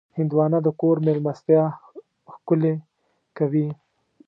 هندوانه د کور مېلمستیا ښکلې کوي.